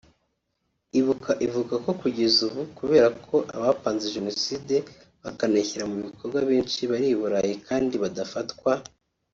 Ibuka ivuga ko kugeza ubu kubera ko abapanze Jenoside bakanayishyira mu bikorwa benshi bari i Burayi kandi badafatwa